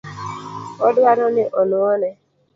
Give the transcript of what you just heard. Odwaro ni onuo ne